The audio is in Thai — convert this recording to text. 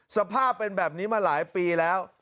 สภาพเป็นแบบนี้มาหลายปีแล้ว